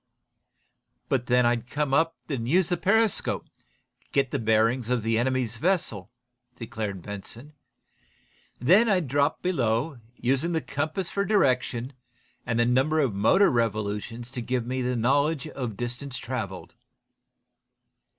"But then I'd come up enough to use the periscope, and get the bearings of the enemy's vessel," declared Benson. "Then I'd drop below, using the compass for direction, and the number of motor revolutions to give me the knowledge of distance traveled."